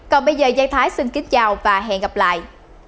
còn bây giờ dây thái xin kính chào và hẹn gặp lại